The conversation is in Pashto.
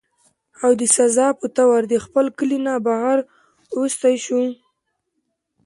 او د سزا پۀ طور د خپل کلي نه بهر اوويستی شو